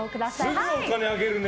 すぐお金あげるね。